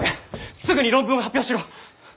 すぐに論文を発表しろ！